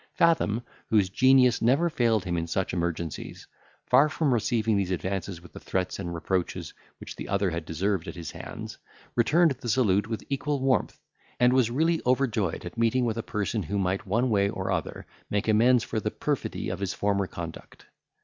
Fathom, whose genius never failed him in such emergencies, far from receiving these advances with the threats and reproaches which the other had deserved at his hands, returned the salute with equal warmth, and was really overjoyed at meeting with a person who might one way or other make amends for the perfidy of his former conduct.